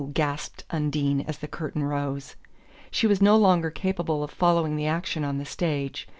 gasped Undine as the curtain rose. She was no longer capable of following the action on the stage.